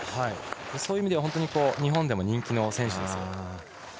そういう意味では日本でも人気の選手です。